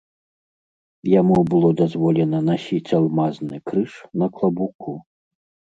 Яму было дазволена насіць алмазны крыж на клабуку.